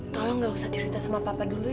tolong gak usah cerita sama papa dulu ya